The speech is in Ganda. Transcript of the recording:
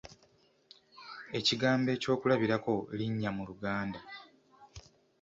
Ekigambo ekyokulabirako linnya mu Luganda.